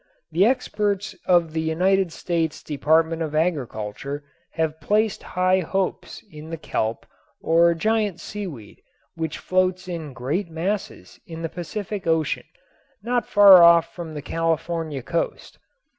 The experts of the United States Department of Agriculture have placed high hopes in the kelp or giant seaweed which floats in great masses in the Pacific Ocean not far off from the California coast.